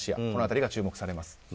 この辺りが注目されます。